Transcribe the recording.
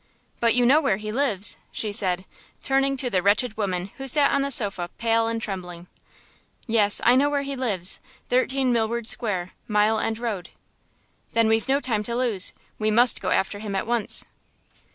But you know where he lives," she said, turning to the wretched woman who sat on the sofa pale and trembling. "Yes, I know where he lives 13 Milward Square, Mile End Road." "Then we've no time to lose; we must go after him at once."